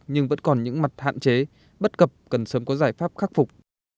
nhưng vẫn còn những mặt hạn chế bất cập cần sớm có giải pháp khắc phục